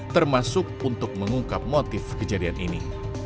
termasuk untuk mengungkap motif kejadian ini